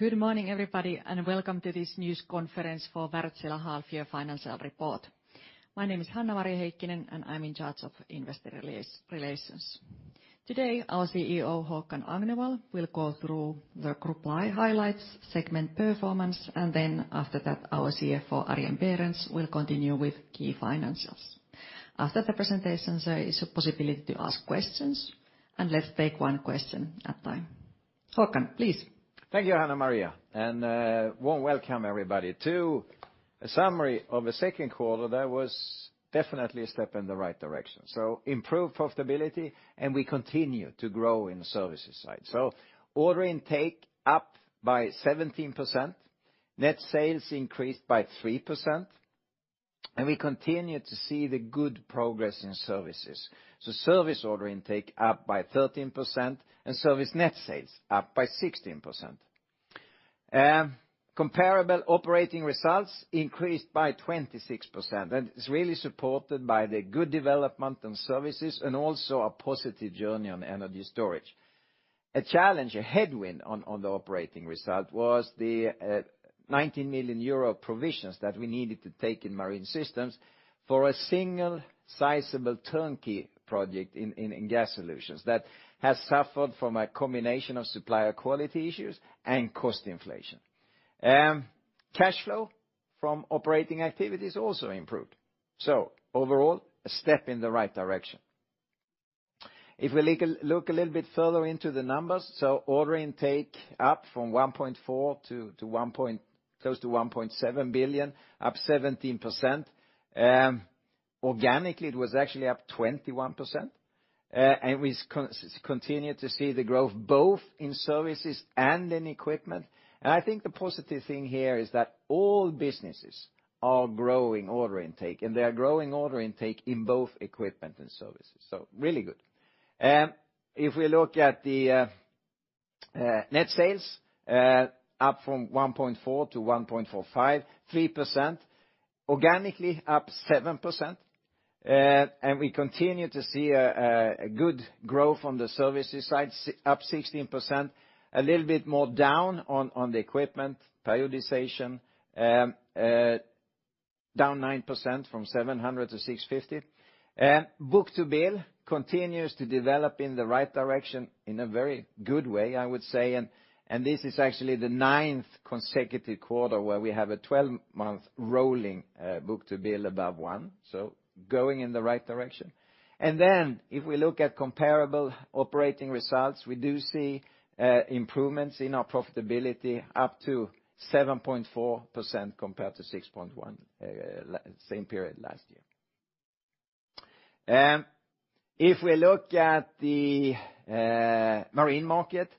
Good morning, everybody, and welcome to this news conference for Wärtsilä half year financial report. My name is Hanna-Maria Heikkinen, I'm in charge of investor relations. Today, our CEO, Håkan Agnevall, will go through the group-wide highlights, segment performance, and then after that, our CFO, Arjen Berends, will continue with key financials. After the presentations, there is a possibility to ask questions, let's take one question at time. Håkan, please. Thank you, Hanna-Maria, and warm welcome, everybody, to a summary of a second quarter that was definitely a step in the right direction. Improved profitability, and we continue to grow in the services side. Order intake up by 17%, net sales increased by 3%, and we continue to see the good progress in services. Service order intake up by 13% and service net sales up by 16%. Comparable operating results increased by 26%, and it's really supported by the good development in services and also a positive journey on energy storage. A challenge, a headwind on the operating result was the 19 million euro provisions that we needed to take in Marine Systems for a single sizable turnkey project in gas solutions that has suffered from a combination of supplier quality issues and cost inflation. Cash flow from operating activities also improved. Overall, a step in the right direction. If we look a little bit further into the numbers, order intake up from 1.4 billion to close to 1.7 billion, up 17%. Organically, it was actually up 21%, and we continue to see the growth both in services and in equipment. I think the positive thing here is that all businesses are growing order intake, and they are growing order intake in both equipment and services, really good. If we look at the net sales, up from 1.4 to 1.45, 3%, organically up 7%, and we continue to see a good growth on the services side, up 16%, a little bit more down on the equipment, periodization, down 9% from 700 to 650. Book-to-bill continues to develop in the right direction in a very good way, I would say, and this is actually the ninth consecutive quarter where we have a 12-month rolling book-to-bill above one, so going in the right direction. If we look at comparable operating results, we do see improvements in our profitability up to 7.4% compared to 6.1%, same period last year. If we look at the marine market,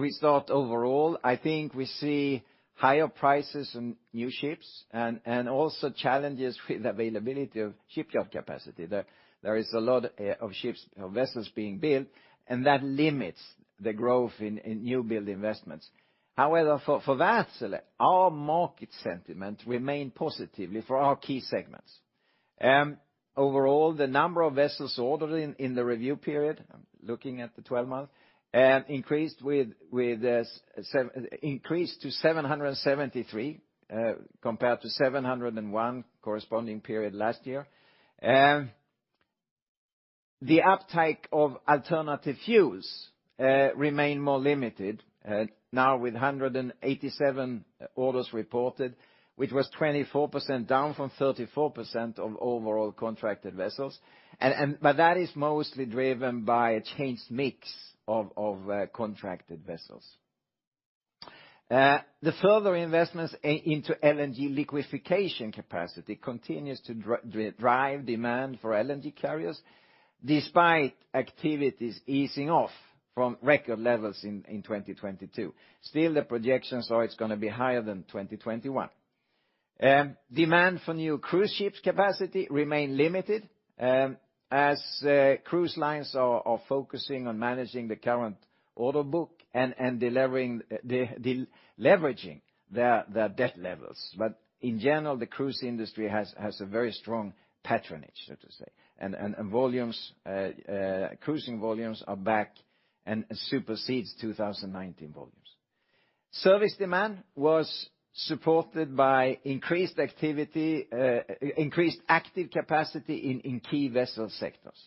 we start overall, I think we see higher prices on new ships and also challenges with availability of shipyard capacity. There is a lot of ships, of vessels being built, and that limits the growth in new build investments. However, for Wärtsilä, our market sentiment remain positively for our key segments. Overall, the number of vessels ordered in the review period, looking at the 12 months, increased to 773 compared to 701 corresponding period last year. The uptake of alternative fuels remain more limited now with 187 orders reported, which was 24% down from 34% of overall contracted vessels, and but that is mostly driven by a changed mix of contracted vessels. The further investments into LNG liquefaction capacity continues to drive demand for LNG carriers, despite activities easing off from record levels in 2022. Still, the projections are it's gonna be higher than 2021. Demand for new cruise ships capacity remain limited as cruise lines are focusing on managing the current order book and delivering leveraging their debt levels. In general, the cruise industry has a very strong patronage, so to say, and volumes cruising volumes are back and supersedes 2019 volumes. Service demand was supported by increased activity, increased active capacity in key vessel sectors.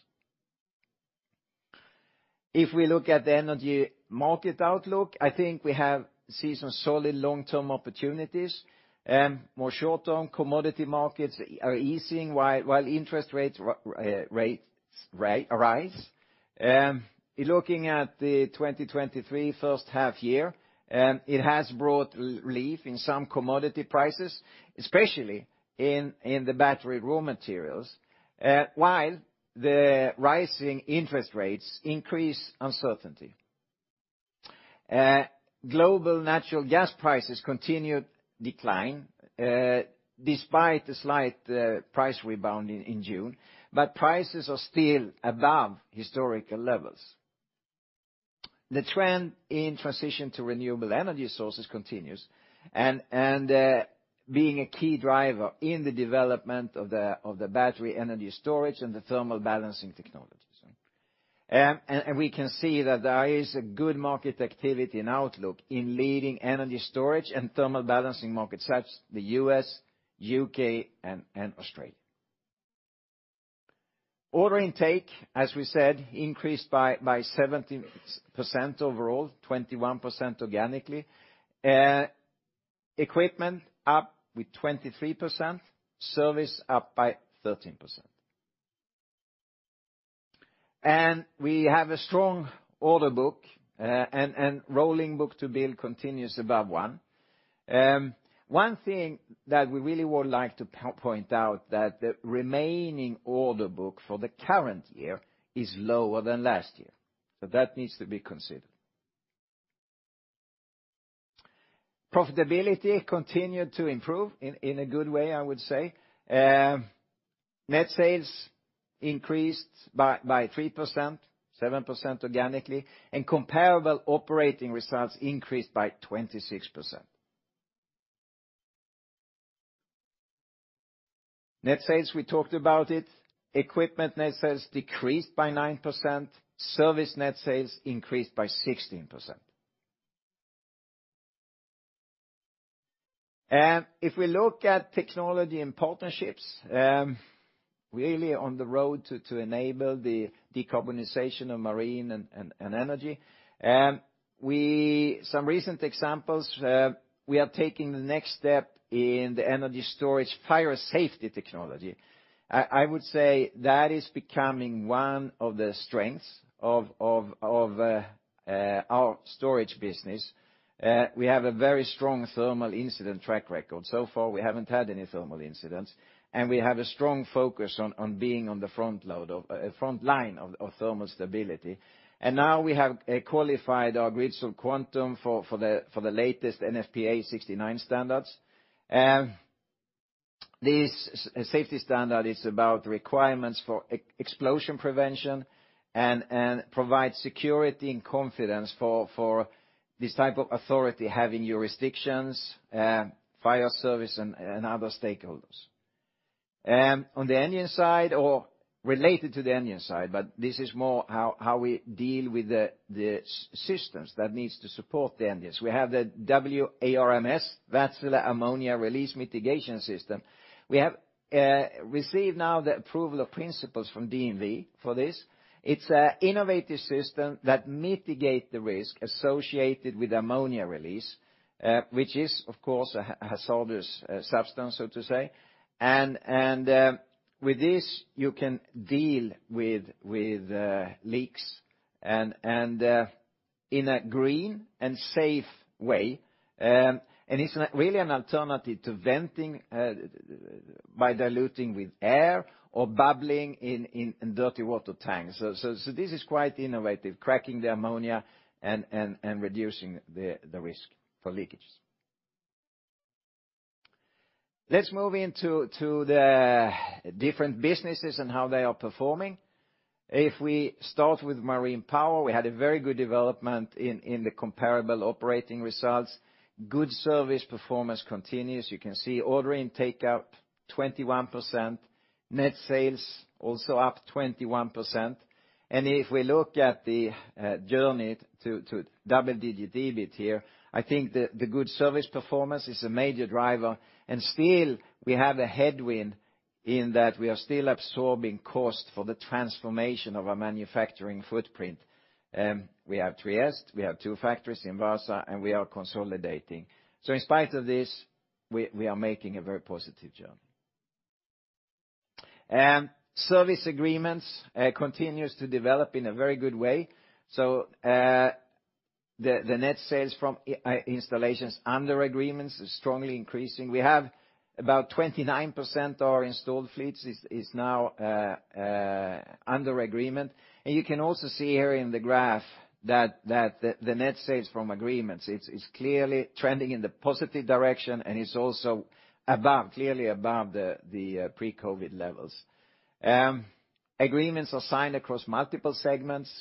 We look at the energy market outlook, I think we have seen some solid long-term opportunities. More short-term commodity markets are easing while interest rates rise. Looking at the 2023 first half year, it has brought relief in some commodity prices, especially in the battery raw materials, while the rising interest rates increase uncertainty. Natural gas prices continued decline, despite a slight price rebound in June. Prices are still above historical levels. The trend in transition to renewable energy sources continues, being a key driver in the development of the battery energy storage and the thermal balancing technologies. We can see that there is a good market activity and outlook in leading energy storage and thermal balancing markets, such as the U.S., U.K., and Australia. Order intake, as we said, increased by 17% overall, 21% organically. Equipment up with 23%, service up by 13%. We have a strong order book, and rolling book-to-bill continues above one. One thing that we really would like to point out, that the remaining order book for the current year is lower than last year, so that needs to be considered. Profitability continued to improve in a good way, I would say. Net sales increased by 3%, 7% organically, and comparable operating results increased by 26%. Net sales, we talked about it. Equipment net sales decreased by 9%, service net sales increased by 16%. If we look at technology and partnerships, really on the road to enable the decarbonization of marine and energy. Some recent examples, we are taking the next step in the energy storage fire safety technology. I would say that is becoming one of the strengths of our storage business. We have a very strong thermal incident track record. So far, we haven't had any thermal incidents, and we have a strong focus on being on the front line of thermal stability. Now we have qualified our GridSolv Quantum for the latest NFPA 69 standards. This safety standard is about requirements for explosion prevention and provide security and confidence for this type of authority, having jurisdictions, fire service, and other stakeholders. On the engine side, or related to the engine side, but this is more how we deal with the systems that needs to support the engines. We have the WARMS, Wärtsilä Ammonia Release Mitigation System. We have received now the approval of principles from DNV for this. It's a innovative system that mitigate the risk associated with ammonia release, which is, of course, a hazardous substance, so to say. With this, you can deal with leaks and in a green and safe way, and it's really an alternative to venting by diluting with air or bubbling in dirty water tanks. This is quite innovative, cracking the ammonia and reducing the risk for leakages. Let's move into the different businesses and how they are performing. If we start with Marine Power, we had a very good development in the comparable operating results. Good service performance continues. You can see order intake up 21%, net sales also up 21%. If we look at the journey to double-digit EBIT here, I think the good service performance is a major driver, and still we have a headwind in that we are still absorbing cost for the transformation of our manufacturing footprint. We have Trieste, we have two factories in Vaasa, and we are consolidating. In spite of this, we are making a very positive journey. Service agreements continues to develop in a very good way. The net sales from installations under agreements is strongly increasing. We have about 29% our installed fleets is now under agreement. You can also see here in the graph that the net sales from agreements is clearly trending in the positive direction, and it's also above, clearly above the pre-COVID levels. Agreements are signed across multiple segments.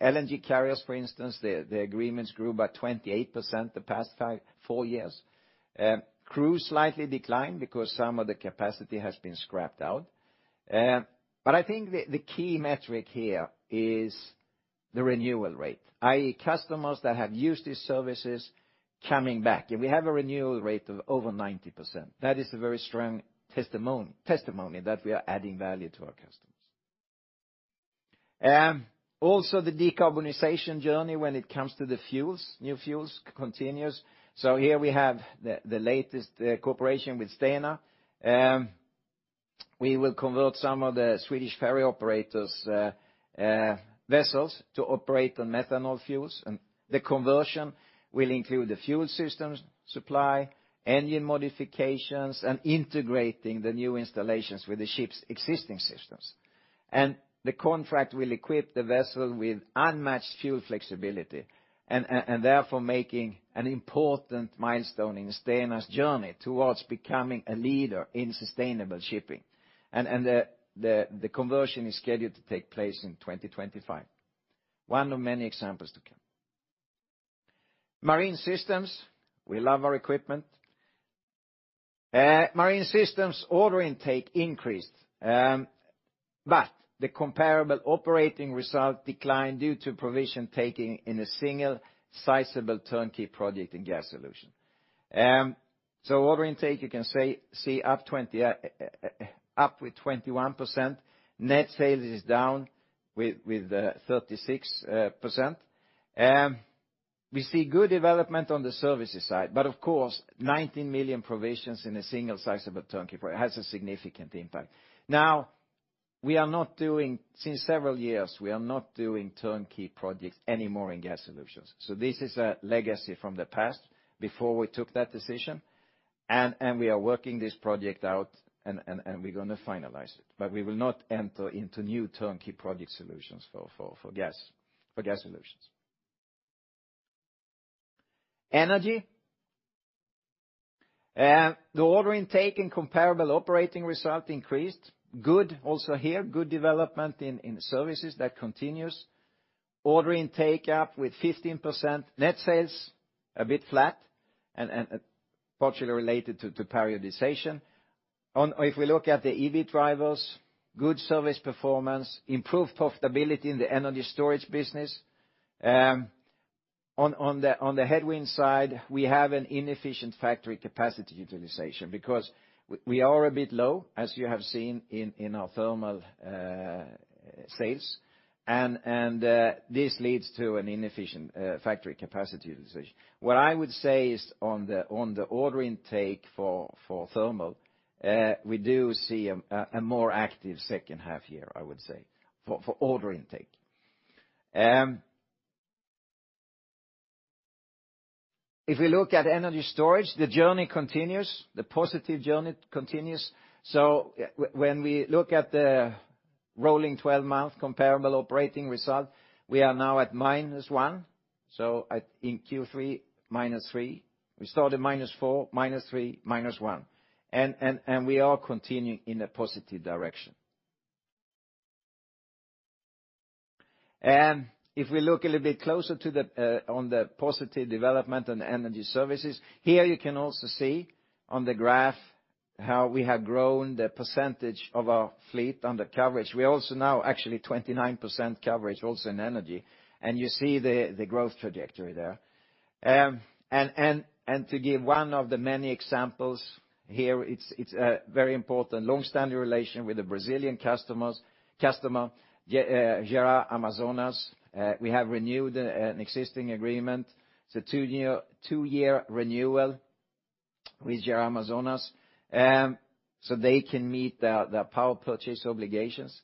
LNG carriers, for instance, the agreements grew by 28% the past four years. Cruise slightly declined because some of the capacity has been scrapped out. I think the key metric here is the renewal rate, i.e., customers that have used these services coming back, and we have a renewal rate of over 90%. That is a very strong testimony that we are adding value to our customers. Also the decarbonization journey when it comes to the fuels, new fuels, continues. Here we have the latest cooperation with Stena. We will convert some of the Swedish ferry operators' vessels to operate on methanol fuels, and the conversion will include the fuel systems supply, engine modifications, and integrating the new installations with the ship's existing systems. The contract will equip the vessel with unmatched fuel flexibility and therefore making an important milestone in Stena's journey towards becoming a leader in sustainable shipping. The conversion is scheduled to take place in 2025. One of many examples to come. Marine Systems, we love our equipment. Marine Systems order intake increased, the comparable operating result declined due to provision taking in a single sizable turnkey project in gas solution. Order intake, you can see up 20, up with 21%. Net sales is down with 36%. We see good development on the services side, of course, 19 million provisions in a single sizable turnkey project has a significant impact. We are not doing, since several years, we are not doing turnkey projects anymore in gas solutions. This is a legacy from the past, before we took that decision, and we are working this project out, and we're going to finalize it. We will not enter into new turnkey project solutions for gas solutions. Energy. The order intake and comparable operating result increased. Good, also here, good development in services that continues. Order intake up with 15%. Net sales, a bit flat, and partially related to periodization. If we look at the EV drivers, good service performance, improved profitability in the energy storage business. On the headwind side, we have an inefficient factory capacity utilization, because we are a bit low, as you have seen in our thermal sales, and this leads to an inefficient factory capacity utilization. What I would say is on the order intake for thermal, we do see a more active second half year, I would say, for order intake. If we look at energy storage, the journey continues, the positive journey continues. When we look at the rolling 12-month comparable operating result, we are now at -1, so at, in Q3, -3. We started -4, -3, -1, and we are continuing in a positive direction. If we look a little bit closer to the positive development on energy services, here you can also see on the graph how we have grown the percentage of our fleet under coverage. We also now actually 29% coverage also in energy, and you see the growth trajectory there. To give one of the many examples here, it's a very important long-standing relation with the Brazilian customer, Gera Amazonas. We have renewed an existing agreement. It's a two-year renewal with Gera Amazonas, so they can meet the power purchase obligations.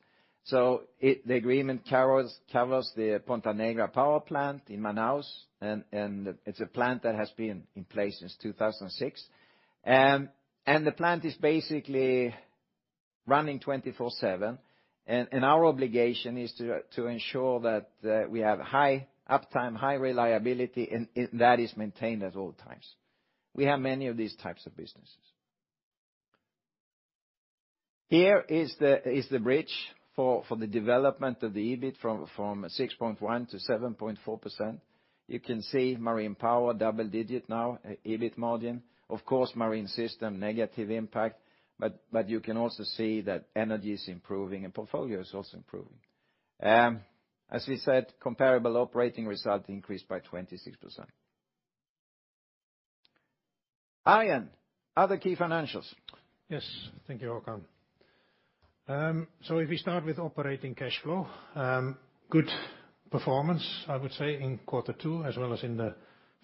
The agreement covers the Ponta Negra Power Plant in Manaus, and it's a plant that has been in place since 2006. The plant is basically running 24/7, and our obligation is to ensure that we have high uptime, high reliability, and that is maintained at all times. We have many of these types of businesses. Here is the bridge for the development of the EBIT from 6.1% to 7.4%. You can see Marine Power double-digit now, EBIT margin. Of course, Marine Systems, negative impact, but you can also see that energy is improving and portfolio is also improving. As we said, comparable operating result increased by 26%. Arjen, other key financials? Yes, thank you, Håkan. If we start with operating cash flow, good performance, I would say, in quarter two, as well as in the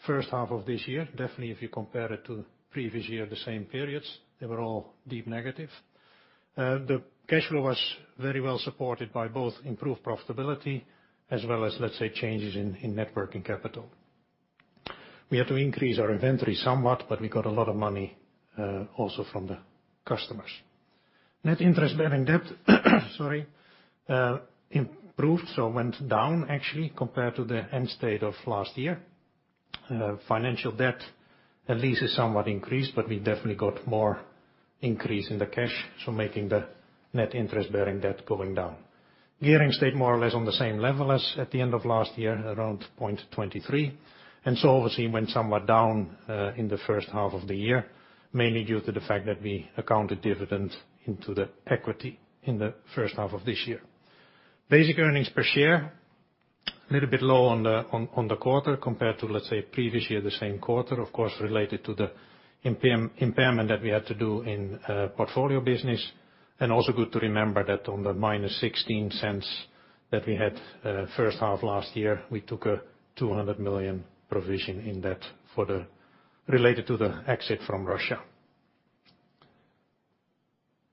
first half of this year. Definitely, if you compare it to previous year, the same periods, they were all deep negative. The cash flow was very well supported by both improved profitability as well as, let's say, changes in net working capital. We had to increase our inventory somewhat. We got a lot of money also from the customers. Net interest bearing debt, sorry, improved. Went down actually, compared to the end state of last year. Financial debt, at least, is somewhat increased. We definitely got more increase in the cash, making the net interest bearing debt going down. Gearing stayed more or less on the same level as at the end of last year, around 0.23. Obviously went somewhat down in the first half of the year, mainly due to the fact that we accounted dividends into the equity in the first half of this year. Basic earnings per share, little bit low on the quarter compared to, let's say, previous year, the same quarter, of course, related to the impairment that we had to do in portfolio business. Also good to remember that on the -0.16 that we had first half last year, we took a 200 million provision in that related to the exit from Russia.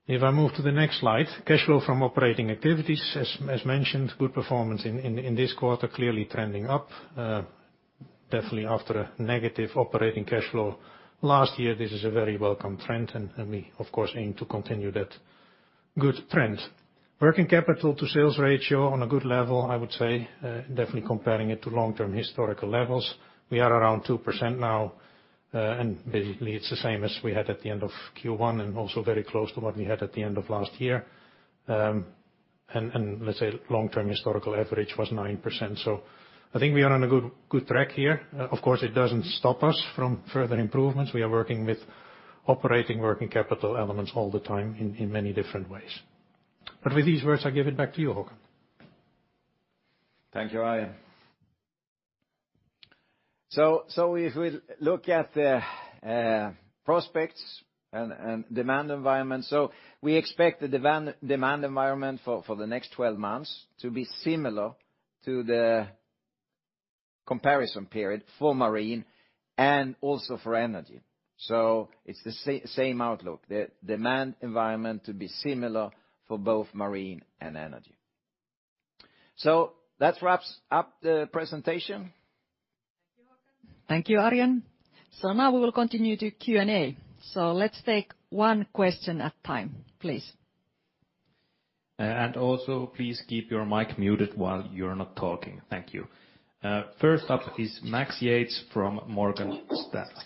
If I move to the next slide, cash flow from operating activities, as mentioned, good performance in this quarter, clearly trending up. Definitely after a negative operating cash flow last year, this is a very welcome trend, and we, of course, aim to continue that good trend. Working capital to sales ratio on a good level, I would say, definitely comparing it to long-term historical levels. We are around 2% now, and basically, it's the same as we had at the end of Q1, and also very close to what we had at the end of last year. And let's say long-term historical average was 9%. I think we are on a good track here. Of course, it doesn't stop us from further improvements. We are working with operating working capital elements all the time in many different ways. With these words, I give it back to you, Håkan. Thank you, Arjen. If we look at the prospects and demand environment, we expect the demand environment for the next 12 months to be similar to the comparison period for marine and also for energy. It's the same outlook, the demand environment to be similar for both marine and energy. That wraps up the presentation. Thank you, Håkan. Thank you, Arjen. Now we will continue to Q&A. Let's take one question at a time, please. Also please keep your mic muted while you're not talking. Thank you. First up is Max Yates from Morgan Stanley.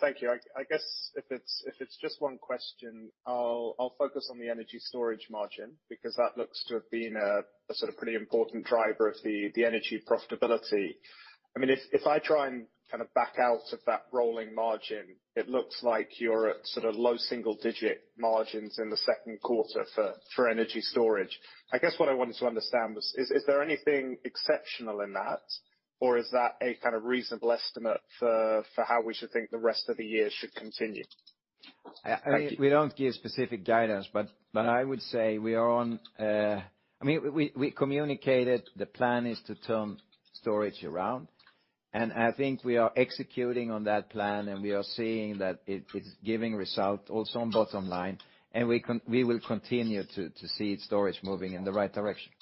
Thank you. I guess if it's just one question, I'll focus on the energy storage margin, because that looks to have been a sort of pretty important driver of the energy profitability. I mean, if I try and kind of back out of that rolling margin, it looks like you're at sort of low single digit margins in the second quarter for energy storage. I guess what I wanted to understand was, is there anything exceptional in that? Or is that a kind of reasonable estimate for how we should think the rest of the year should continue? I mean, we don't give specific guidance, but I would say I mean, we communicated the plan is to turn storage around, and I think we are executing on that plan, and we will continue to see storage moving in the right direction.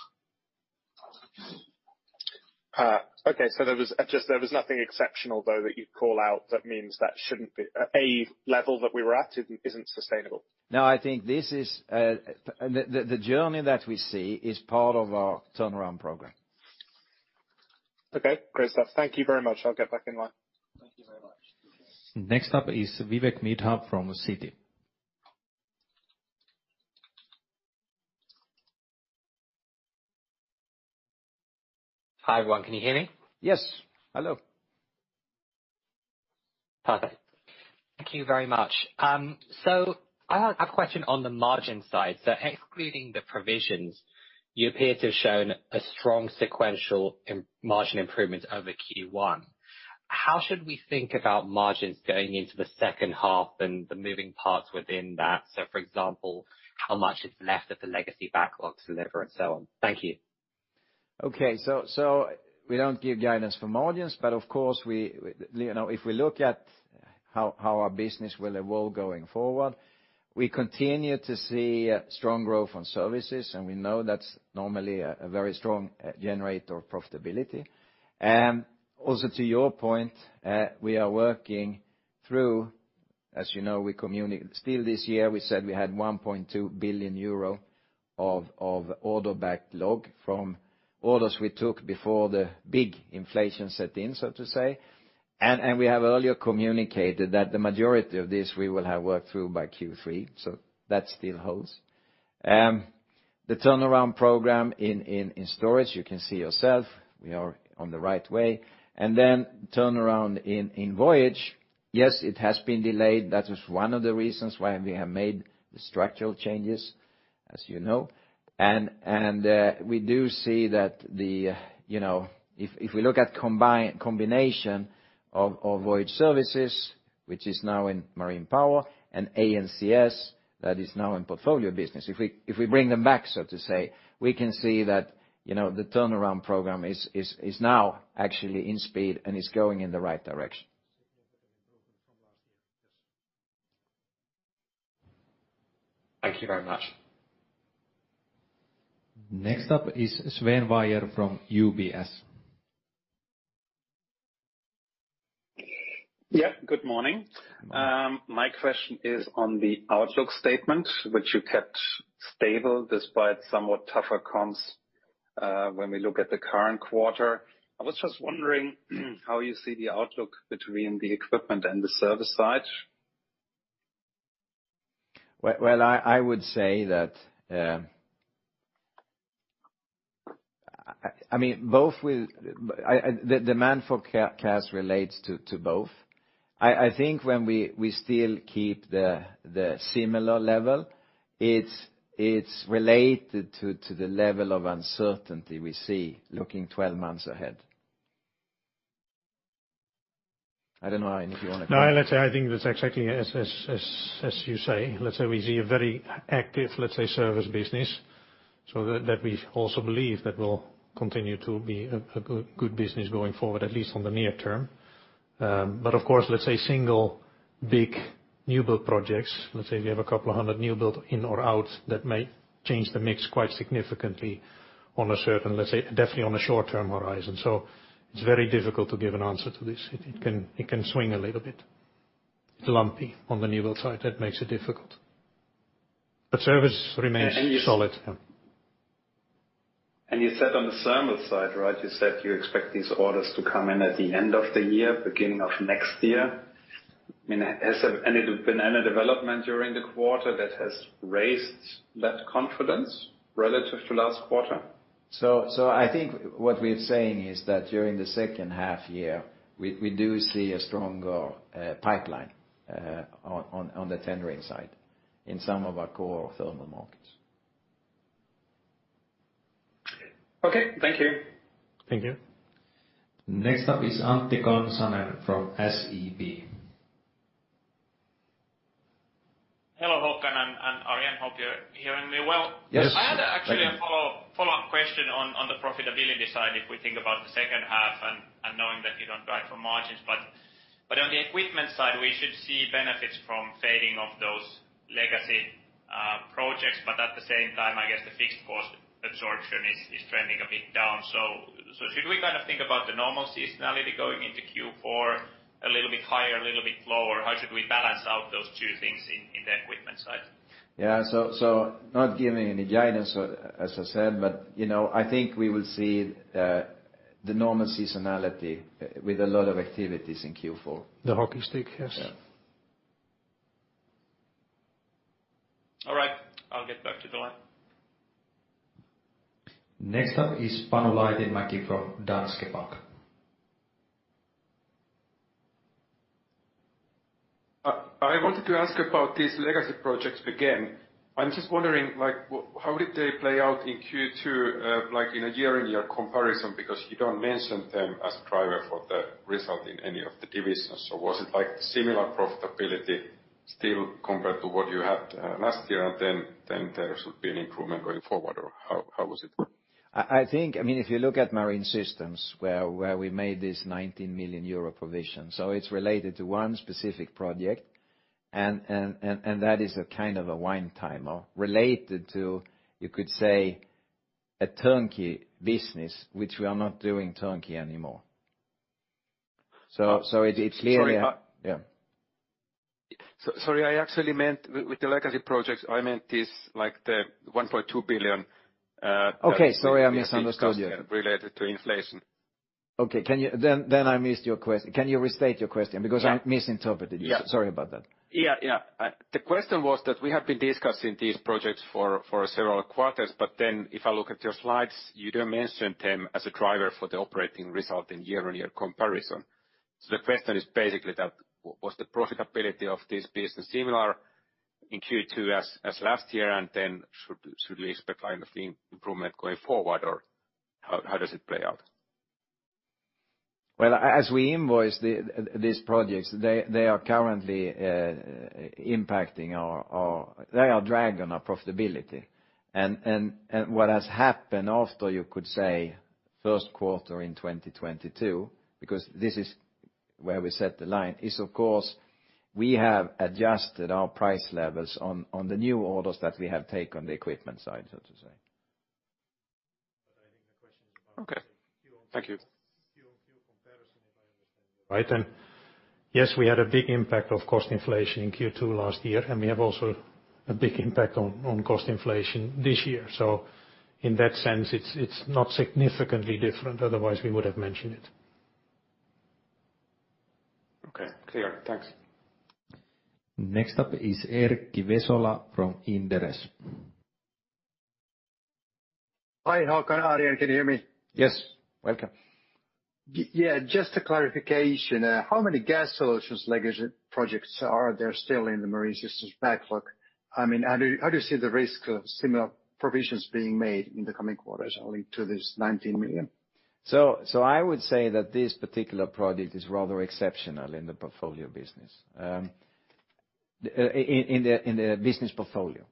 Okay, there was just, there was nothing exceptional, though, that you'd call out that means that shouldn't be. A level that we were at isn't sustainable? No, I think this is the journey that we see is part of our turnaround program. Okay, great stuff. Thank you very much. I'll get back in line. Thank you very much. Next up is Vivek Midha from Citi. Hi, everyone. Can you hear me? Yes. Hello. Perfect. Thank you very much. I have a question on the margin side. Excluding the provisions, you appear to have shown a strong sequential margin improvement over Q1. How should we think about margins going into the second half and the moving parts within that? For example, how much is left of the legacy backlogs, whatever, and so on? Thank you. Okay. So we don't give guidance for margins, but of course, we, you know, if we look at how our business will evolve going forward, we continue to see a strong growth on services, we know that's normally a very strong generator of profitability. Also, to your point, we are working through, as you know, we still this year, we said we had 1.2 billion euro of order backlog from orders we took before the big inflation set in, so to say. We have earlier communicated that the majority of this we will have worked through by Q3, that still holds. The turnaround program in storage, you can see yourself, we are on the right way. Turnaround in Voyage, yes, it has been delayed. That is one of the reasons why we have made the structural changes, as you know. We do see that the. You know, if we look at combination of Voyage services, which is now in Marine Power, and ANCS, that is now in portfolio business. If we bring them back, so to say, we can see that, you know, the turnaround program is now actually in speed and is going in the right direction. Thank you very much. Next up is Sven Weier from UBS. Good morning. My question is on the outlook statement, which you kept stable despite somewhat tougher comps, when we look at the current quarter. I was just wondering, how you see the outlook between the equipment and the service side? Well, I would say that, I mean, both will... I, the demand for cash relates to both. I think when we still keep the similar level, it's related to the level of uncertainty we see looking 12 months ahead. I don't know, Arjen, if you want to- No, let's say, I think that's exactly as you say, let's say we see a very active, let's say, service business, so that we also believe that will continue to be a good business going forward, at least on the near term. Of course, let's say single, big newbuild projects, let's say we have 200 newbuild in or out, that may change the mix quite significantly on a certain, let's say, definitely on a short-term horizon. It's very difficult to give an answer to this. It can swing a little bit. It's lumpy on the newbuild side, that makes it difficult. Service remains solid. Yeah. ... you said on the thermal side, right? You said you expect these orders to come in at the end of the year, beginning of next year. I mean, has there been any development during the quarter that has raised that confidence relative to last quarter? I think what we're saying is that during the second half year, we do see a stronger pipeline on the tendering side in some of our core thermal markets. Okay, thank you. Thank you. Next up is Antti Kansanen from SEB. Hello, Håkan and Arjen. Hope you're hearing me well. Yes. I had actually a follow-up question on the profitability side, if we think about the second half and knowing that you don't guide for margins. On the equipment side, we should see benefits from fading of those legacy projects. At the same time, I guess, the fixed cost absorption is trending a bit down. Should we kind of think about the normal seasonality going into Q4 a little bit higher, a little bit lower? How should we balance out those two things in the equipment side? Yeah. Not giving any guidance, as I said, but, you know, I think we will see the normal seasonality with a lot of activities in Q4. The hockey stick, yes. Yeah. All right, I'll get back to the line. Next up is Panu Laitinmäki from Danske Bank. I wanted to ask about these legacy projects again. I'm just wondering, like, how did they play out in Q2, like, in a year-on-year comparison, because you don't mention them as a driver for the result in any of the divisions. Was it, like, similar profitability still, compared to what you had, last year, and then there should be an improvement going forward, or how was it? I think I mean, if you look at Marine Systems, where we made this 19 million euro provision, it's related to one specific project, and that is a kind of a one-timer related to, you could say, a turnkey business, which we are not doing turnkey anymore. Sorry. Yeah. sorry, I actually meant with the legacy projects, I meant this, like 1.2 billion. Okay. Sorry, I misunderstood you. Related to inflation. Okay. I missed your question. Can you restate your question? I misinterpreted you. Yeah. Sorry about that. Yeah, yeah. The question was that we have been discussing these projects for several quarters, but then if I look at your slides, you don't mention them as a driver for the operating result in year-on-year comparison. The question is basically that, was the profitability of this business similar in Q2 as last year, should we expect kind of the improvement going forward, or how does it play out? Well, as we invoice these projects, they are currently impacting our profitability. What has happened after, you could say, first quarter in 2022, because this is where we set the line, is of course, we have adjusted our price levels on the new orders that we have taken on the equipment side, so to say. I think the question is. Okay. Thank you. Q on Q comparison, if I understand you right. Yes, we had a big impact of cost inflation in Q2 last year, and we have also a big impact on cost inflation this year. In that sense, it's not significantly different, otherwise, we would have mentioned it. Okay, clear. Thanks. Next up is Erkki Vesola from Inderes. Hi, Håkan, Arjen. Can you hear me? Yes. Welcome. Yeah, just a clarification. How many gas solutions legacy projects are there still in the Marine Systems backlog? I mean, how do you see the risk of similar provisions being made in the coming quarters only to this 19 million? I would say that this particular project is rather exceptional in the portfolio business, in the business portfolio.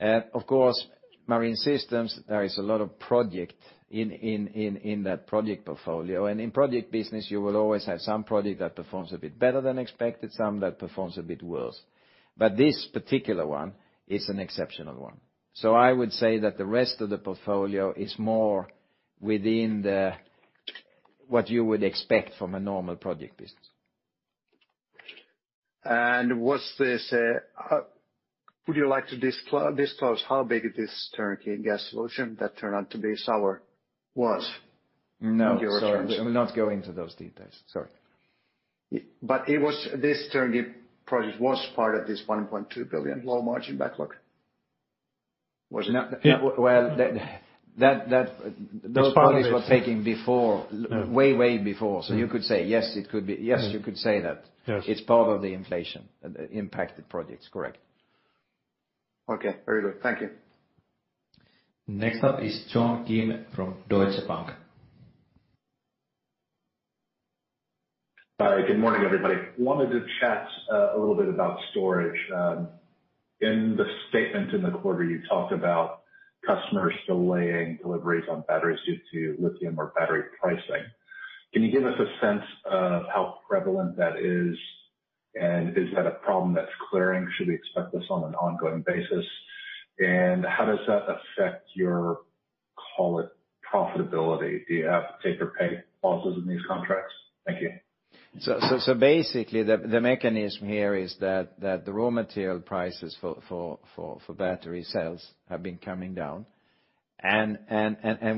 Of course, Marine Systems, there is a lot of project in that project portfolio. In project business, you will always have some project that performs a bit better than expected, some that performs a bit worse. This particular one is an exceptional one. I would say that the rest of the portfolio is more within the, what you would expect from a normal project business. What's this? Would you like to disclose how big this turnkey gas solution that turned out to be sour was? No. In your reference. Sorry, I will not go into those details. Sorry. It was, this turnkey project was part of this 1.2 billion low margin backlog, was it not? That, those projects were taken before, way before. You could say yes, it could be. Mm. Yes, you could say that. Yes. It's part of the inflation impacted projects. Correct. Okay, very good. Thank you. Next up is John Kim from Deutsche Bank. Sorry, good morning, everybody. Wanted to chat a little bit about storage. In the statement in the quarter, you talked about customers delaying deliveries on batteries due to lithium or battery pricing. Can you give us a sense of how prevalent that is, and is that a problem that's clearing? Should we expect this on an ongoing basis, and how does that affect your, call it, profitability? Do you have take or pay clauses in these contracts? Thank you. Basically, the mechanism here is that the raw material prices for battery cells have been coming down.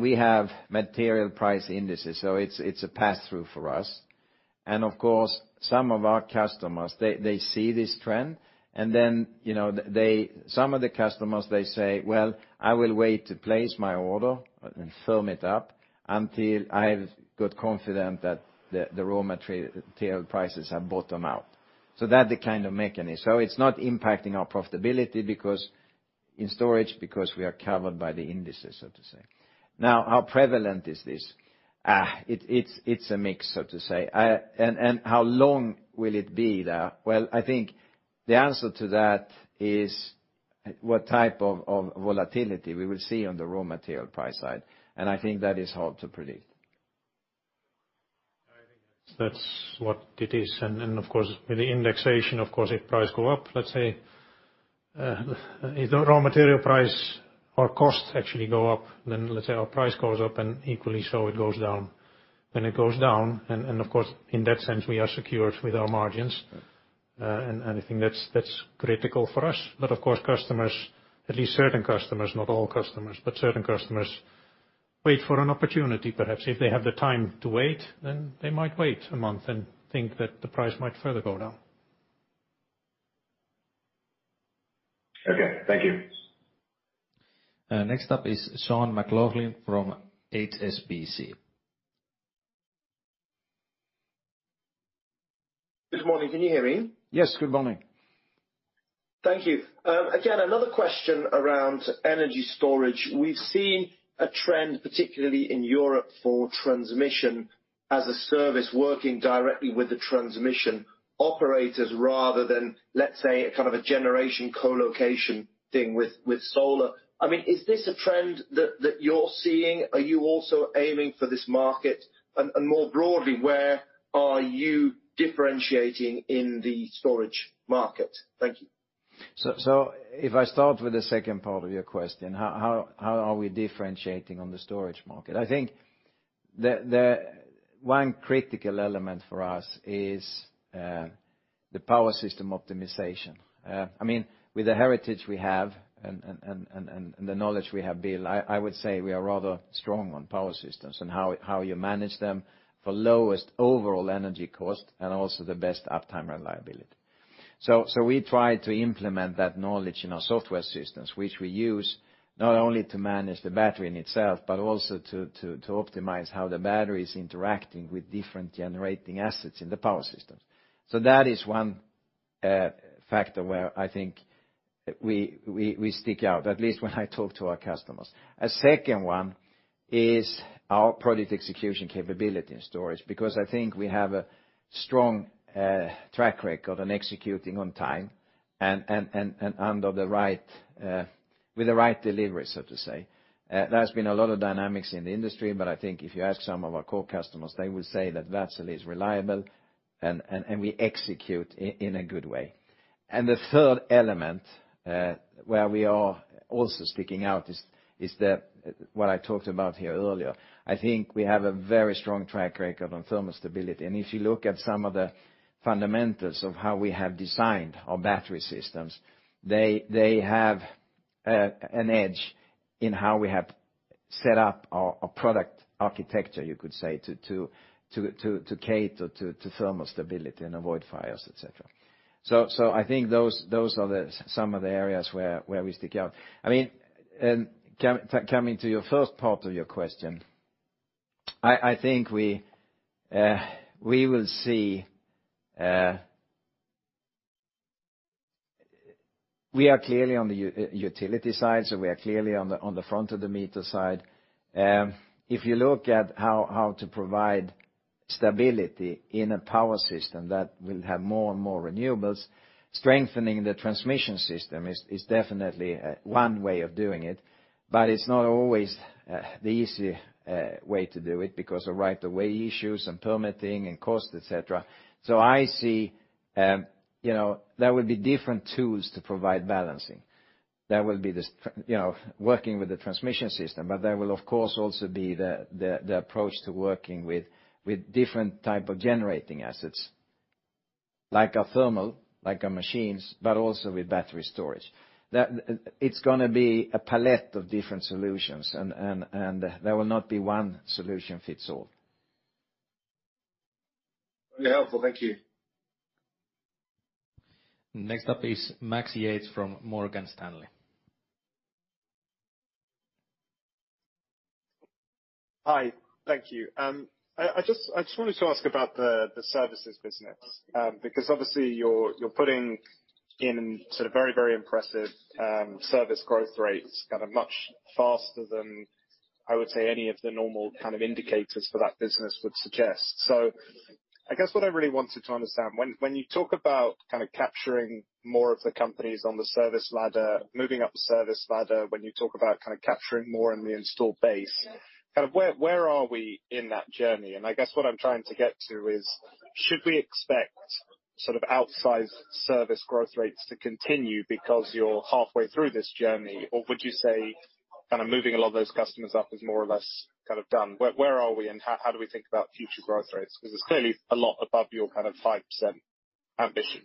We have material price indices, so it's a pass-through for us. Of course, some of our customers, they see this trend, and then, you know, some of the customers, they say, "Well, I will wait to place my order and firm it up, until I've got confident that the raw material prices have bottomed out." That the kind of mechanism. It's not impacting our profitability, because in storage, because we are covered by the indices, so to say. How prevalent is this? It's a mix, so to say. How long will it be there? Well, I think the answer to that is what type of volatility we will see on the raw material price side, and I think that is hard to predict. I think that's what it is, and then, of course, with the indexation, of course, if price go up, let's say, if the raw material price or costs actually go up, then let's say our price goes up, and equally, so it goes down. When it goes down, and of course, in that sense, we are secured with our margins, and I think that's critical for us. Of course, customers, at least certain customers, not all customers, but certain customers, wait for an opportunity, perhaps. If they have the time to wait, then they might wait a month and think that the price might further go down. Okay, thank you. Next up is Sean McLoughlin from HSBC. Good morning. Can you hear me? Yes. Good morning. Thank you. Again, another question around energy storage. We've seen a trend, particularly in Europe, for transmission as a service, working directly with the transmission operators rather than, let's say, a kind of a generation co-location thing with solar. I mean, is this a trend that you're seeing? Are you also aiming for this market? More broadly, where are you differentiating in the storage market? Thank you. If I start with the second part of your question, how we differentiating on the storage market? I think the one critical element for us is the power system optimization. I mean, with the heritage we have and the knowledge we have built, I would say we are rather strong on power systems and how you manage them for lowest overall energy cost and also the best uptime reliability. We try to implement that knowledge in our software systems, which we use not only to manage the battery in itself, but also to optimize how the battery is interacting with different generating assets in the power systems. That is one factor where I think we stick out, at least when I talk to our customers. A second one is our project execution capability in storage, because I think we have a strong track record on executing on time and under the right with the right delivery, so to say. There's been a lot of dynamics in the industry, but I think if you ask some of our core customers, they will say that Wärtsilä is reliable, and we execute in a good way. The third element where we are also sticking out is the what I talked about here earlier, I think we have a very strong track record on thermal stability. If you look at some of the fundamentals of how we have designed our battery systems, they have an edge in how we have set up our product architecture, you could say, to cater to thermal stability and avoid fires, et cetera. I think those are some of the areas where we stick out. I mean, coming to your first part of your question, I think we will see... We are clearly on the utility side, so we are clearly on the front of the meter side. If you look at how to provide stability in a power system that will have more and more renewables, strengthening the transmission system is definitely one way of doing it, but it's not always the easy way to do it because of right-of-way issues and permitting and cost, et cetera. I see, you know, there will be different tools to provide balancing, there will be this, you know, working with the transmission system, but there will, of course, also be the approach to working with different type of generating assets, like a thermal, like our machines, but also with battery storage. It's gonna be a palette of different solutions, and there will not be one solution fits all. Very helpful. Thank you. Next up is Max Yates from Morgan Stanley. Hi. Thank you. I just wanted to ask about the services business, because obviously, you're putting in sort of very impressive service growth rates, kind of much faster than, I would say, any of the normal kind of indicators for that business would suggest. I guess what I really wanted to understand, when you talk about kind of capturing more of the companies on the service ladder, moving up the service ladder, when you talk about kind of capturing more in the installed base, kind of where are we in that journey? I guess what I'm trying to get to is, should we expect sort of outsized service growth rates to continue because you're halfway through this journey? Would you say, kind of moving a lot of those customers up is more or less kind of done? Where are we, how do we think about future growth rates? It's clearly a lot above your kind of 5% ambition.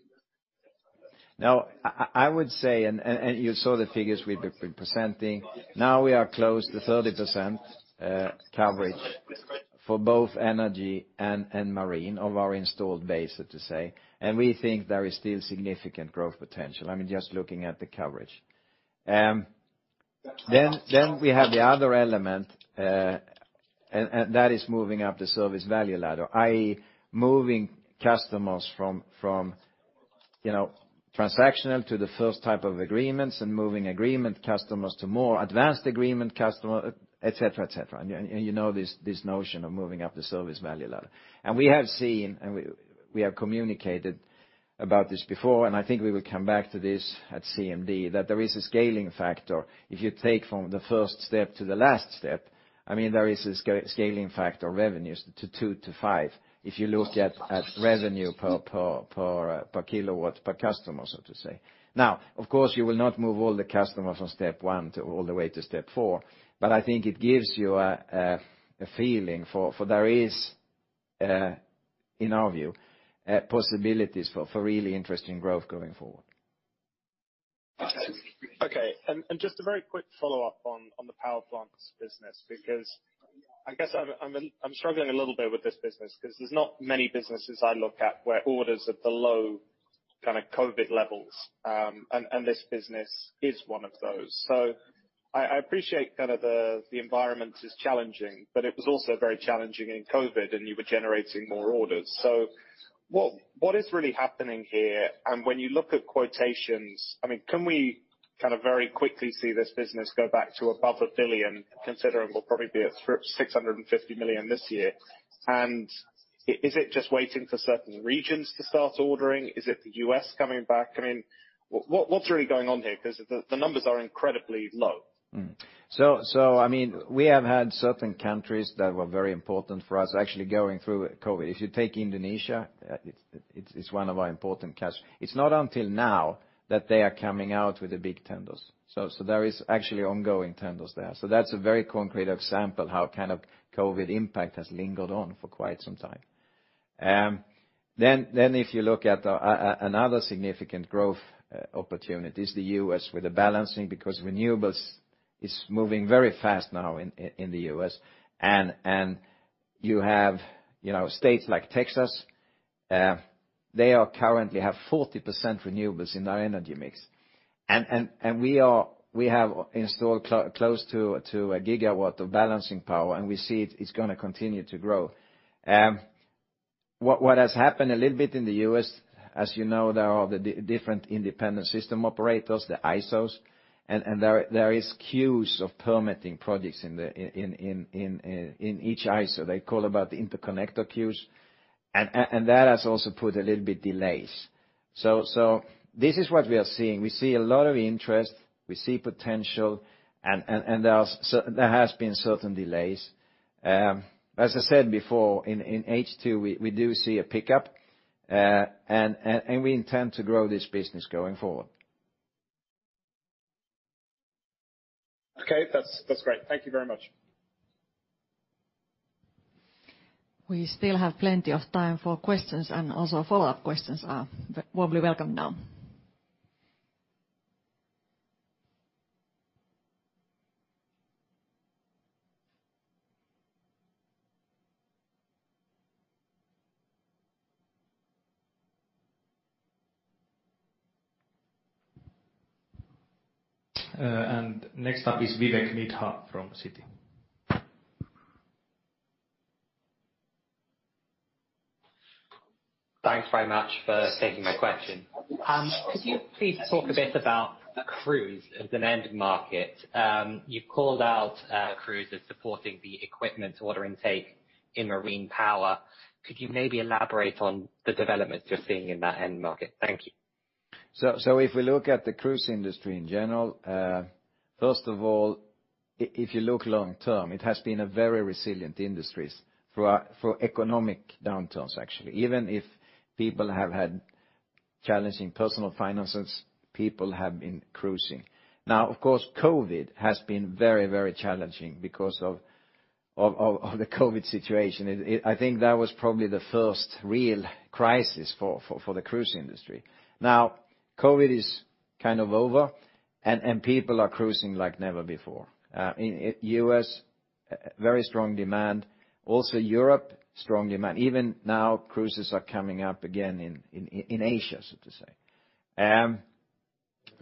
I would say, and you saw the figures we've been presenting. We are close to 30% coverage for both energy and Marine of our installed base, so to say, and we think there is still significant growth potential. I mean, just looking at the coverage. We have the other element, and that is moving up the service value ladder, i.e., moving customers from, you know, transactional to the first type of agreements and moving agreement customers to more advanced agreement customer, et cetera, et cetera. You know, this notion of moving up the service value ladder. We have seen, we have communicated about this before, I think we will come back to this at CMD, that there is a scaling factor. If you take from the first step to the last step, I mean, there is a scaling factor of revenues to two to five. If you look at revenue per kilowatt, per customer, so to say. Now, of course, you will not move all the customers from step one to all the way to step four, but I think it gives you a feeling for there is, in our view, possibilities for really interesting growth going forward. Okay. Just a very quick follow-up on the power plants business, because I guess I'm struggling a little bit with this business because there's not many businesses I look at where orders are below kind of COVID levels, and this business is one of those. I appreciate kind of the environment is challenging, but it was also very challenging in COVID, and you were generating more orders. What is really happening here? When you look at quotations, I mean, can we kind of very quickly see this business go back to above 1 billion, considering we'll probably be at 650 million this year? Is it just waiting for certain regions to start ordering? Is it the U.S. coming back? I mean, what's really going on here? The numbers are incredibly low. I mean, we have had certain countries that were very important for us actually going through COVID. If you take Indonesia, it's one of our important customers. It's not until now that they are coming out with the big tenders. There is actually ongoing tenders there. That's a very concrete example of how kind of COVID impact has lingered on for quite some time. If you look at another significant growth opportunity is the US with the balancing, because renewables is moving very fast now in the US. You have, you know, states like Texas, they are currently have 40% renewables in their energy mix. We have installed close to 1 GW of balancing power, and we see it's gonna continue to grow. What has happened a little bit in the US, as you know, there are the different independent system operators, the ISOs, and there is queues of permitting projects in each ISO. They call about the interconnection queues, and that has also put a little bit delays. This is what we are seeing. We see a lot of interest, we see potential, and there has been certain delays. As I said before, in H2, we do see a pickup, and we intend to grow this business going forward. Okay. That's great. Thank you very much. We still have plenty of time for questions, and also follow-up questions are warmly welcome now. Next up is Vivek Midha from Citi. Thanks very much for taking my question. Could you please talk a bit about cruise as an end market? You've called out cruise as supporting the equipment order intake in Marine Power. Could you maybe elaborate on the developments you're seeing in that end market? Thank you. If we look at the cruise industry in general, first of all, if you look long term, it has been a very resilient industry through economic downturns, actually. Even if people have had challenging personal finances, people have been cruising. Of course, COVID has been very challenging because of the COVID situation. I think that was probably the first real crisis for the cruise industry. COVID is kind of over, and people are cruising like never before. In U.S., very strong demand. Also, Europe, strong demand. Even now, cruises are coming up again in Asia, so to say. The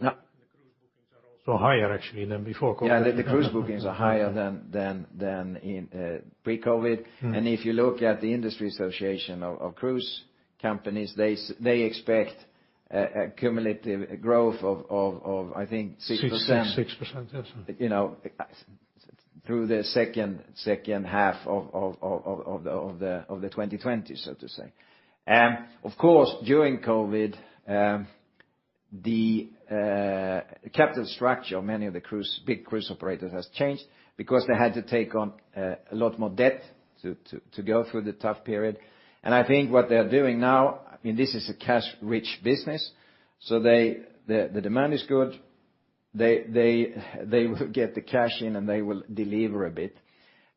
cruise bookings are also higher, actually, than before COVID. Yeah, the cruise bookings are higher than in pre-COVID. Mm-hmm. If you look at the industry association of cruise companies, they expect a cumulative growth of, I think, 6%. 6%. Yes. You know, through the second half of the 2020, so to say. Of course, during COVID, the capital structure of many of the cruise, big cruise operators has changed because they had to take on a lot more debt to go through the tough period. I think what they are doing now, I mean, this is a cash-rich business, so the demand is good. They will get the cash in, and they will deliver a bit.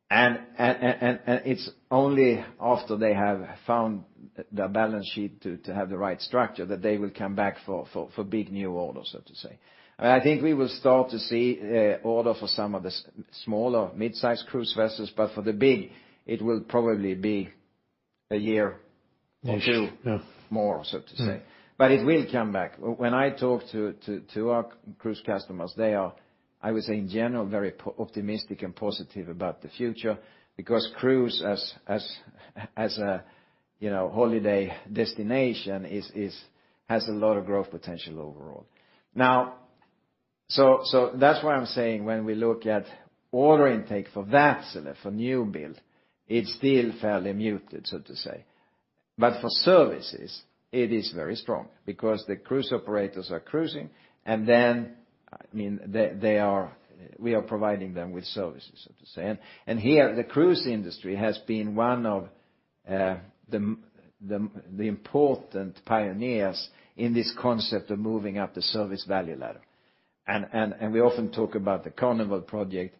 It's only after they have found the balance sheet to have the right structure that they will come back for big new orders, so to say. I think we will start to see, order for some of the smaller mid-size cruise vessels, but for the big, it will probably be a year or two. Yeah. more, so to say. Mm. It will come back. When I talk to our cruise customers, they are, I would say, in general, very optimistic and positive about the future, because cruise as a, you know, holiday destination is has a lot of growth potential overall. That's why I'm saying when we look at order intake for vessel, for new build, it's still fairly muted, so to say. For services, it is very strong because the cruise operators are cruising, and then, I mean, we are providing them with services, so to say. Here, the cruise industry has been one of the important pioneers in this concept of moving up the service value ladder. We often talk about the Carnival project,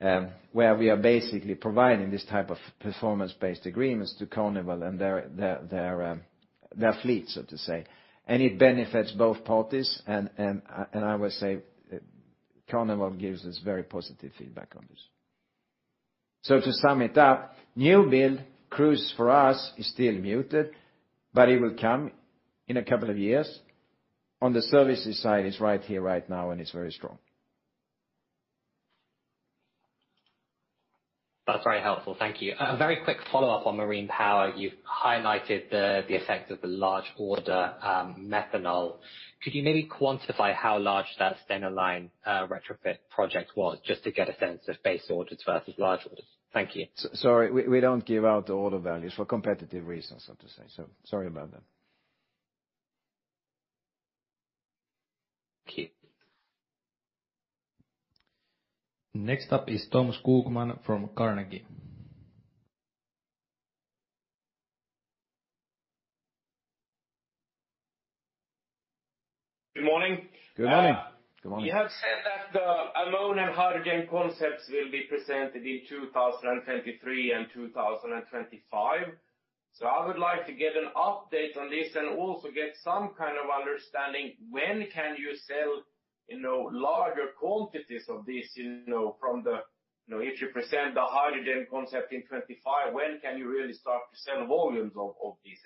where we are basically providing this type of performance-based agreements to Carnival and their fleet, so to say. It benefits both parties, and I would say, Carnival gives us very positive feedback on this. To sum it up, new build cruise for us is still muted, but it will come in a couple of years. On the services side, it's right here right now, and it's very strong. That's very helpful. Thank you. A very quick follow-up on Marine Power. You've highlighted the effect of the large order, methanol. Could you maybe quantify how large that Stena Line retrofit project was, just to get a sense of base orders versus large orders? Thank you. Sorry, we don't give out the order values for competitive reasons, so to say, sorry about that. Okay. Next up is Tom Skogman from Carnegie. Good morning. Good morning. Uh- Good morning. You have said that the ammonia and hydrogen concepts will be presented in 2023 and 2025. I would like to get an update on this and also get some kind of understanding, when can you sell, you know, larger quantities of this, you know. If you present the hydrogen concept in 25, when can you really start to sell volumes of these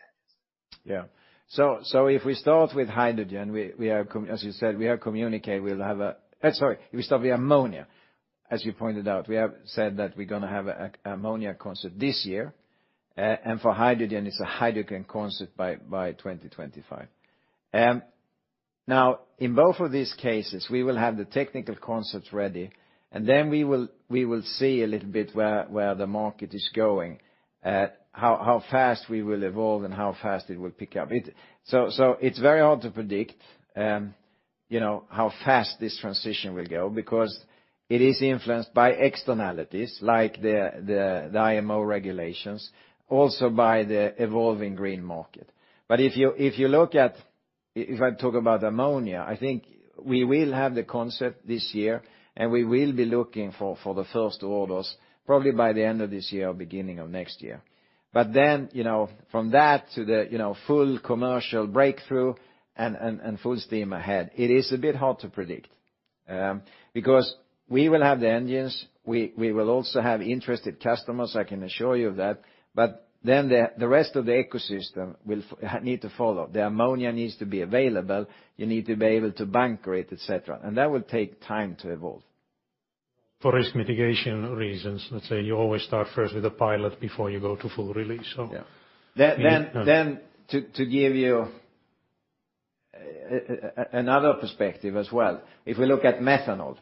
engines? If we start with hydrogen, as you said, we are communicating. Sorry, if we start with ammonia, as you pointed out, we have said that we're going to have a ammonia concept this year, and for hydrogen, it's a hydrogen concept by 2025. In both of these cases, we will have the technical concept ready, and then we will see a little bit where the market is going, how fast we will evolve and how fast it will pick up. It's very hard to predict, you know, how fast this transition will go, because it is influenced by externalities like the IMO regulations, also by the evolving green market. If I talk about ammonia, I think we will have the concept this year, and we will be looking for the first orders, probably by the end of this year or beginning of next year. You know, from that to the, you know, full commercial breakthrough and full steam ahead, it is a bit hard to predict. Because we will have the engines, we will also have interested customers, I can assure you of that, but then the rest of the ecosystem will need to follow. The ammonia needs to be available, you need to be able to bankable, et cetera, and that will take time to evolve. For risk mitigation reasons, let's say you always start first with a pilot before you go to full release. Yeah. Yeah... to give you another perspective as well, if we look at methanol.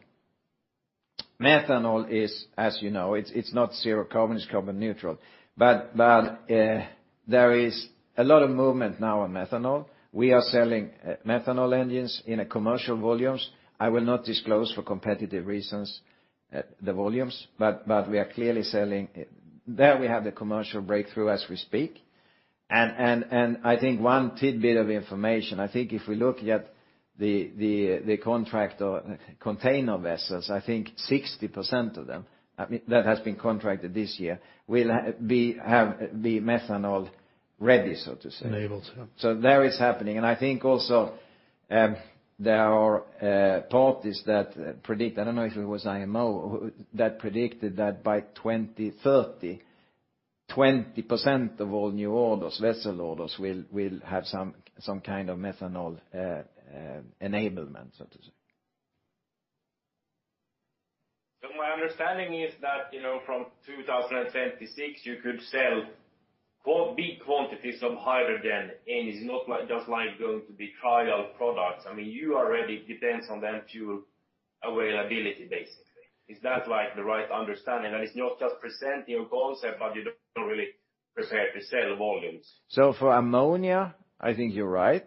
Methanol is, as you know, it's not zero carbon, it's carbon neutral, but there is a lot of movement now on methanol. We are selling methanol engines in commercial volumes. I will not disclose, for competitive reasons, the volumes, but we are clearly selling. There, we have the commercial breakthrough as we speak. I think one tidbit of information, I think if we look at the, the contract or container vessels, I think 60% of them, I mean, that has been contracted this year, will be methanol ready, so to say. Enabled, yeah. There it's happening. I think also, there are parties that predict, I don't know if it was IMO, that predicted that by 2030, 20% of all new orders, vessel orders, will have some kind of methanol enablement, so to say. My understanding is that, you know, from 2026, you could sell big quantities of hydrogen, and it's not like, just like going to be trial products. I mean, you already depends on them availability, basically. Is that like the right understanding? That it's not just presenting your concept, but you're not really prepared to sell volumes. For ammonia, I think you're right.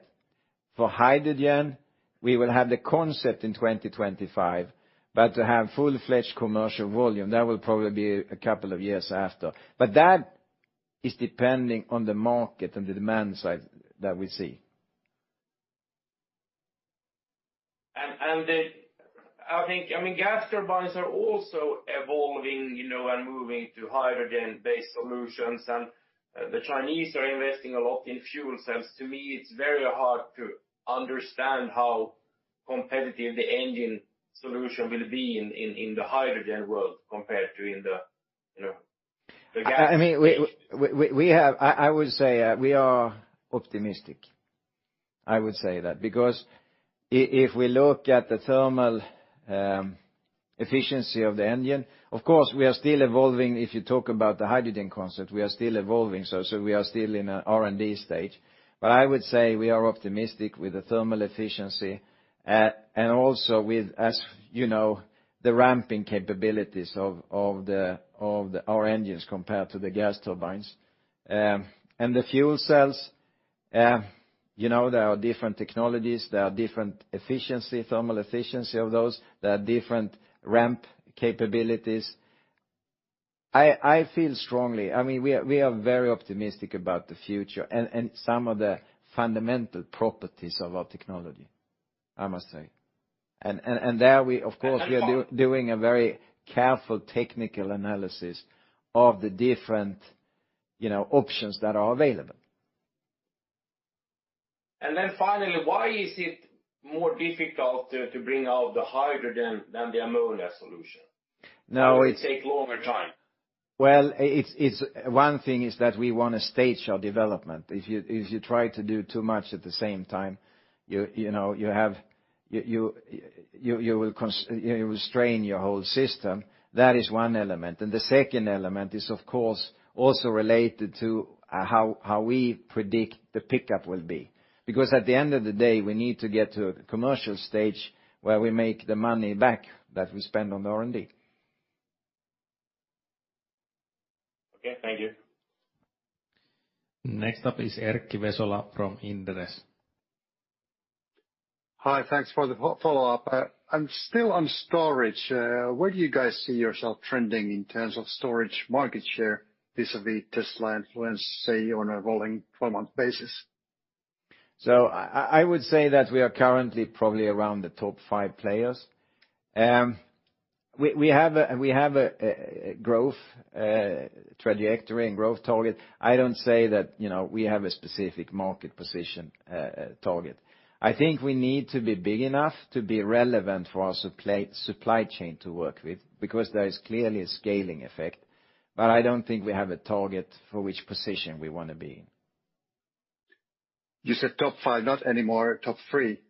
For hydrogen, we will have the concept in 2025, to have full-fledged commercial volume, that will probably be a couple of years after. That is depending on the market and the demand side that we see. I mean, gas turbines are also evolving, you know, and moving to hydrogen-based solutions, and the Chinese are investing a lot in fuel cells. To me, it's very hard to understand how competitive the engine solution will be in the hydrogen world compared to in the, you know, the. I mean, I would say, we are optimistic. I would say that, because if we look at the thermal efficiency of the engine, of course, we are still evolving. If you talk about the hydrogen concept, we are still evolving, so we are still in a R&D stage. But I would say we are optimistic with the thermal efficiency and also with, as you know, the ramping capabilities of the our engines compared to the gas turbines. The fuel cells, you know, there are different technologies, there are different efficiency, thermal efficiency of those, there are different ramp capabilities. I feel strongly. I mean, we are very optimistic about the future and some of the fundamental properties of our technology, I must say. There we, of course, we are doing a very careful technical analysis of the different, you know, options that are available. Finally, why is it more difficult to bring out the hydrogen than the ammonia solution? No. Why would it take longer time? Well, it's one thing is that we want to stage our development. If you try to do too much at the same time, you know, you will strain your whole system. That is one element. The second element is, of course, also related to how we predict the pickup will be. Because at the end of the day, we need to get to a commercial stage where we make the money back that we spend on R&D. Okay, thank you. Next up is Erkki Vesola from Inderes. Hi, thanks for the follow-up. I'm still on storage. Where do you guys see yourself trending in terms of storage market share vis-à-vis Tesla influence, say, on a rolling 12-month basis? I would say that we are currently probably around the top five players. We have a growth trajectory and growth target. I don't say that, you know, we have a specific market position target. I think we need to be big enough to be relevant for our supply chain to work with, because there is clearly a scaling effect. I don't think we have a target for which position we want to be in. You said top five, not anymore, top three?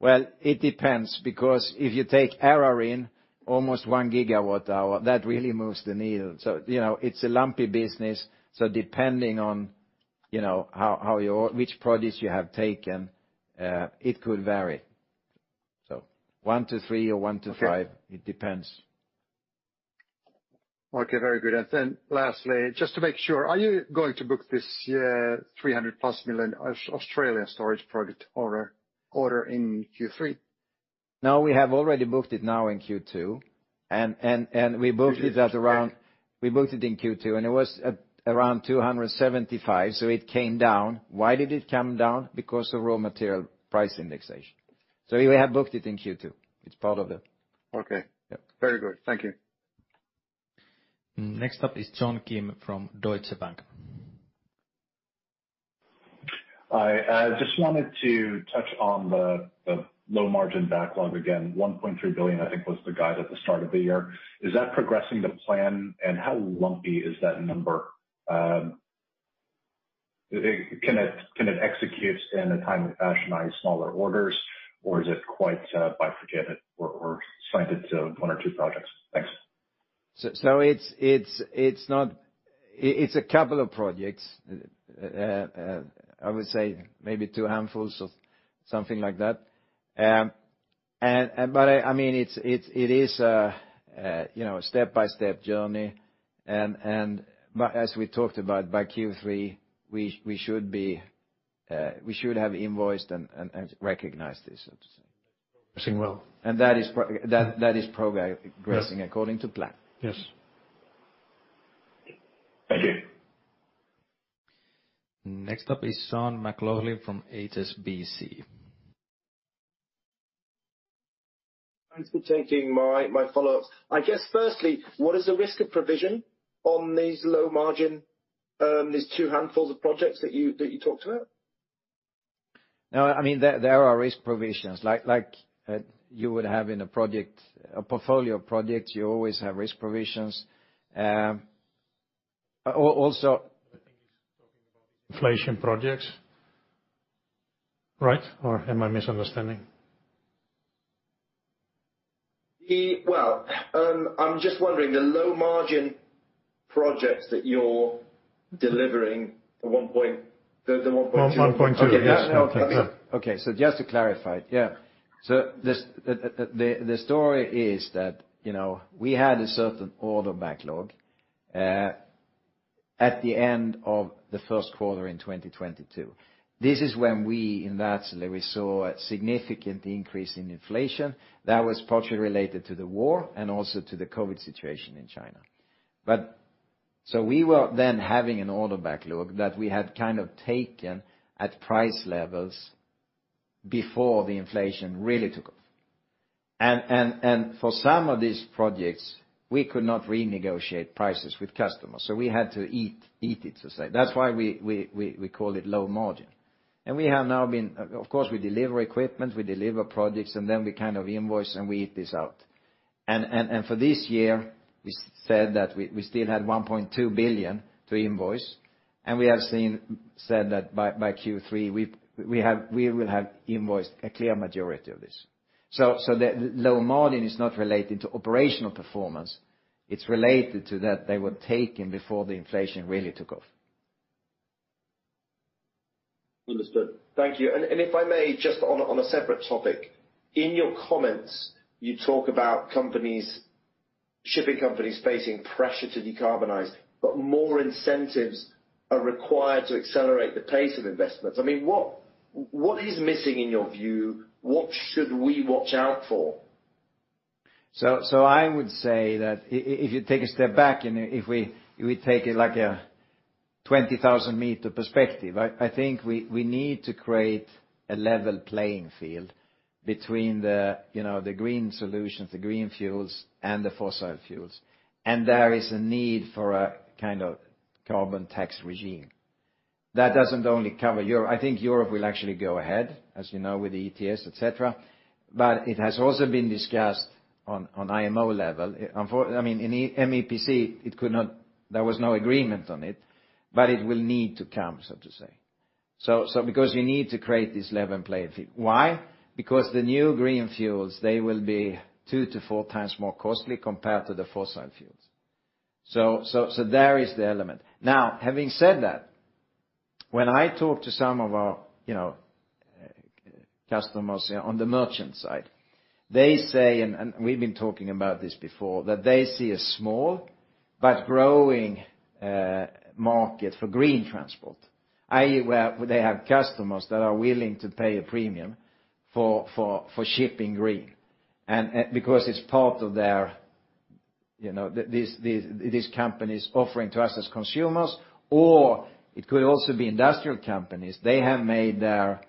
It depends, because if you take Eraring, almost 1 GWh, that really moves the needle. You know, it's a lumpy business, so depending on, you know, how which products you have taken, it could vary. One to three or one to five... Okay. It depends. Okay, very good. Then lastly, just to make sure, are you going to book this, 300+ million Australian storage project order in Q3? No, we have already booked it now in Q2. We booked it at around- Okay. We booked it in Q2, and it was at around 275, so it came down. Why did it come down? Because of raw material price indexation. We have booked it in Q2. Okay. Yep. Very good. Thank you. Next up is John Kim from Deutsche Bank. Hi. I just wanted to touch on the low margin backlog again. 1.3 billion, I think, was the guide at the start of the year. Is that progressing to plan, and how lumpy is that number? Can it execute in a timely fashion, i.e., smaller orders, or is it quite by forget it or signed it to one or two projects? Thanks. it's not... it's a couple of projects. I would say maybe two handfuls of something like that. I mean, it is a, you know, a step-by-step journey. As we talked about, by Q3, we should be, we should have invoiced and recognized this, so to say. Progressing well. And that is pro- Yes. That is progressing according to plan. Yes. Thank you. Next up is Sean McLoughlin from HSBC. Thanks for taking my follow-ups. I guess, firstly, what is the risk of provision on these low margin, these two handfuls of projects that you talked about? No, I mean, there are risk provisions like, you would have in a project, a portfolio of projects, you always have risk provisions. Also. I think he's talking about these inflation projects, right? Am I misunderstanding? Well, I'm just wondering, the low margin- ... projects that you're delivering, the 1.2? 1.2. Yeah, okay. Just to clarify, yeah. This, the story is that, you know, we had a certain order backlog at the end of the first quarter in 2022. This is when we, in that year, we saw a significant increase in inflation that was partially related to the war and also to the COVID situation in China. We were then having an order backlog that we had kind of taken at price levels before the inflation really took off. For some of these projects, we could not renegotiate prices with customers, so we had to eat it, so to say. That's why we call it low margin. We have now. Of course, we deliver equipment, we deliver projects, and then we kind of invoice, and we eat this out. For this year, we said that we still had 1.2 billion to invoice. We said that by Q3, we will have invoiced a clear majority of this. The low margin is not related to operational performance, it's related to that they were taken before the inflation really took off. Understood. Thank you. If I may, just on a separate topic, in your comments, you talk about companies, shipping companies facing pressure to decarbonize, but more incentives are required to accelerate the pace of investments. I mean, what is missing in your view? What should we watch out for? I would say that if you take a step back, and if we, if we take it like a 20,000 meter perspective, I think we need to create a level playing field between the, you know, the green solutions, the green fuels, and the fossil fuels. There is a need for a kind of carbon tax regime. That doesn't only cover Europe. I think Europe will actually go ahead, as you know, with the ETS, et cetera, but it has also been discussed on IMO level. I mean, in MEPC, there was no agreement on it, but it will need to come, so to say. Because you need to create this level playing field. Why? Because the new green fuels, they will be two to four times more costly compared to the fossil fuels. There is the element. Now, having said that, when I talk to some of our, you know, customers on the merchant side, they say, and we've been talking about this before, that they see a small but growing market for green transport, i.e., where they have customers that are willing to pay a premium for shipping green. Because it's part of their, you know, these companies offering to us as consumers, or it could also be industrial companies. They have made their,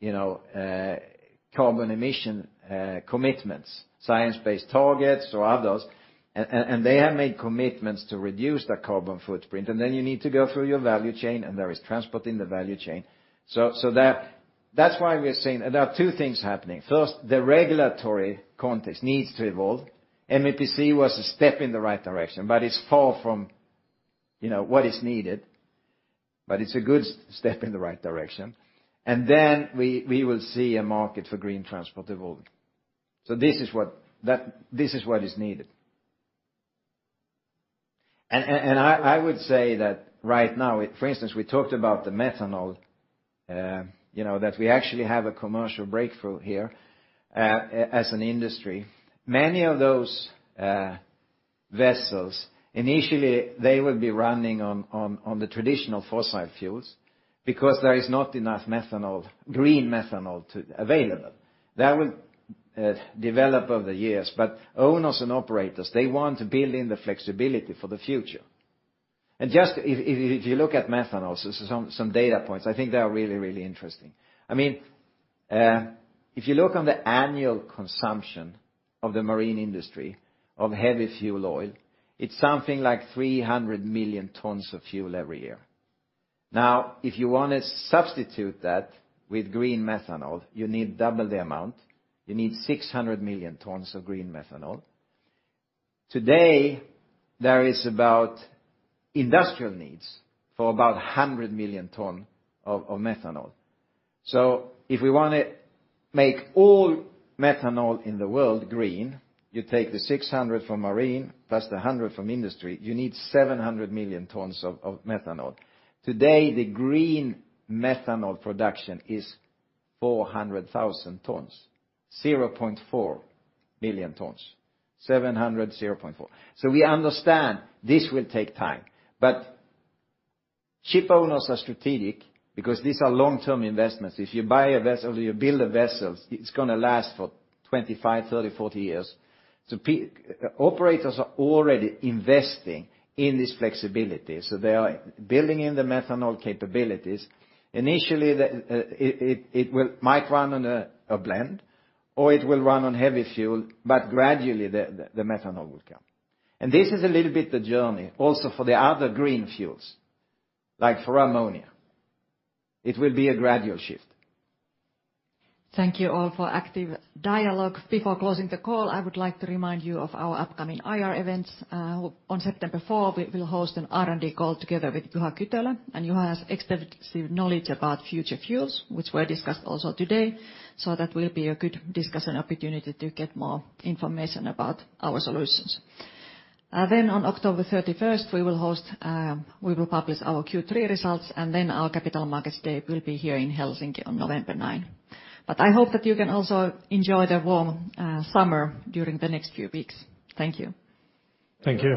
you know, carbon emission commitments, science-based targets or others, they have made commitments to reduce their carbon footprint, then you need to go through your value chain, there is transport in the value chain. That's why we are saying there are two things happening. First, the regulatory context needs to evolve. MEPC was a step in the right direction, but it's far from, you know, what is needed, but it's a good step in the right direction. Then we will see a market for green transport evolving. This is what is needed. I would say that right now, for instance, we talked about the methanol, you know, that we actually have a commercial breakthrough here as an industry. Many of those vessels, initially, they will be running on the traditional fossil fuels because there is not enough methanol, green methanol, to available. That will develop over the years, but owners and operators, they want to build in the flexibility for the future. Just if you look at methanol, some data points, I think they are really, really interesting. I mean, if you look on the annual consumption of the marine industry, of heavy fuel oil, it's something like 300 million tons of fuel every year. If you want to substitute that with green methanol, you need double the amount. You need 600 million tons of green methanol. Today, there is about industrial needs for about 100 million ton of methanol. If we wanna make all methanol in the world green, you take the 600 from marine plus the 100 from industry, you need 700 million tons of methanol. Today, the green methanol production is 400,000 tons, 0.4 million tons. 700, 0.4. We understand this will take time, but ship owners are strategic because these are long-term investments. If you buy a vessel, you build a vessel, it's gonna last for 25, 30, 40 years. Operators are already investing in this flexibility, so they are building in the methanol capabilities. Initially, it will might run on a blend, or it will run on heavy fuel, but gradually the methanol will come. This is a little bit the journey also for the other green fuels, like for ammonia. It will be a gradual shift. Thank you all for active dialogue. Before closing the call, I would like to remind you of our upcoming IR events. On September 4, we will host an R&D call together with Juha Kytölä, and Juha has extensive knowledge about future fuels, which were discussed also today. That will be a good discussion opportunity to get more information about our solutions. On October 31, we will host, we will publish our Q3 results, and our capital markets day will be here in Helsinki on November 9. I hope that you can also enjoy the warm summer during the next few weeks. Thank you. Thank you.